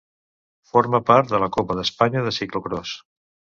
Forma part de la Copa d'Espanya de ciclocròs.